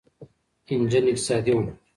انجن اقتصادي و.